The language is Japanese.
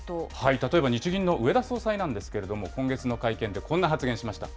例えば日銀の植田総裁なんですけれども、今月の会見でこんな発言しました。